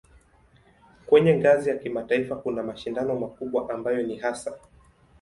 Kwenye ngazi ya kimataifa kuna mashindano makubwa ambayo ni hasa